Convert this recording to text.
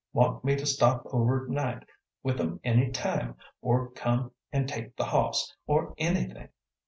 "Want me to stop over night with 'em any time, or come an' take the hoss, or anything.